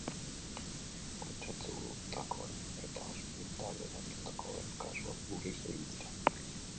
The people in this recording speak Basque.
Kutsatutakoen eta ospitaleratutakoen kasuak murriztu egin dira.